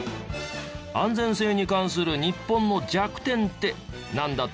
安全性に関する日本の弱点ってなんだと思う？